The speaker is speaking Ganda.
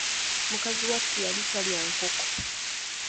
Mukazi wattu yali talya nkoko.